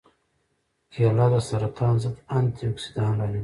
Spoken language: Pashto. کېله د سرطان ضد انتياکسیدان لري.